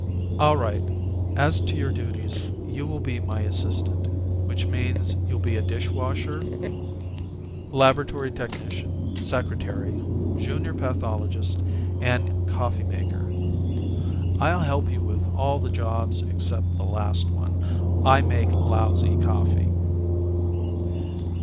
"All right. As to your duties you will be my assistant, which means you'll be a dishwasher, laboratory technician, secretary, junior pathologist, and coffee maker. I'll help you with all the jobs except the last one. I make lousy coffee."